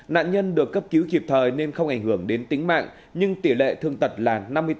nạn nhân được cấp cứu kịp thời nên không ảnh hưởng đến tính mạng nhưng tỷ lệ thương tật là năm mươi bốn